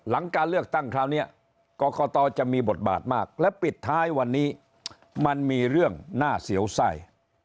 หลังการเลือกตั้งคราวนี้กรกตจะมีบทบาทมากและปิดท้ายวันนี้มันมีเรื่องน่าเสียวไส้